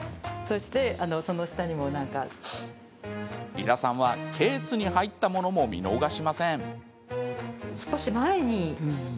井田さんはケースに入ったものも見逃しません。